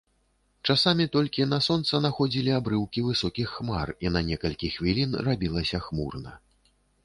Часамі толькі на сонца находзілі абрыўкі высокіх хмар, і на некалькі хвілін рабілася хмурна.